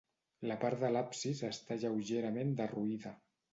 La part de l'absis està lleugerament derruïda.